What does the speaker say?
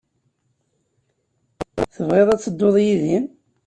Tebɣiḍ ad tedduḍ yid-i?